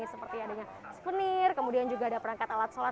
seperti adanya suvenir kemudian juga ada perangkat alat sholat